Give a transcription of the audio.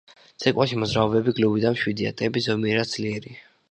ცეკვაში მოძრაობები გლუვი და მშვიდია, ტემპი ზომიერად ძლიერია.